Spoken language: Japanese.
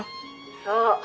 そう。